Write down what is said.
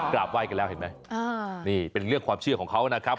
กราบไห้กันแล้วเห็นไหมนี่เป็นเรื่องความเชื่อของเขานะครับ